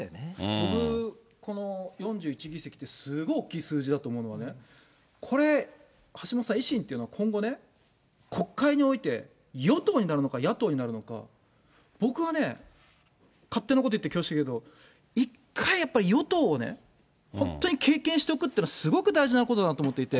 僕、この４１議席って、すごい大きい数字だと思うのがね、これ、橋下さん、維新というのは今後ね、国会において、与党になるのか、野党になるのか、僕はね、勝手なこと言って恐縮だけど、一回、やっぱり与党をね、本当に経験しておくっていうのは、すごく大事なことだと思っていて。